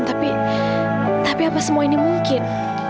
tapi tapi apa semua ini mungkin